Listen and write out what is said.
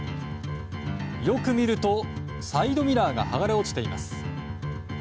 よく見ると、サイドミラーが剥がれ落ちています。